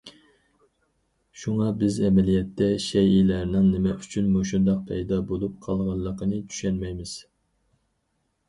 شۇڭا، بىز ئەمەلىيەتتە شەيئىلەرنىڭ نېمە ئۈچۈن مۇشۇنداق پەيدا بولۇپ قالغانلىقىنى چۈشەنمەيمىز.